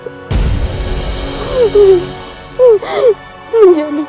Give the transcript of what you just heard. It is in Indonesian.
saya calon enggak peduli toh